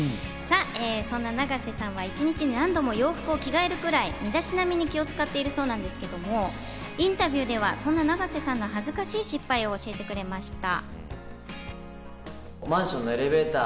そんな永瀬さんは一日に何度も洋服を着替えるくらい、身だしなみに気を使っているそうなんですが、インタビューではそんな永瀬さんの恥ずかしい失敗を教えてくれました。